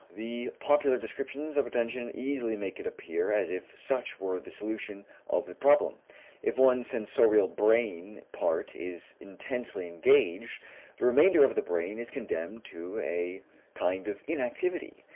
The popular descriptions of attention easily make it appear as if such were the solution of the problem. If one sensorial brain part is intensely engaged, the remainder of the brain is condemned to a kind of inactivity.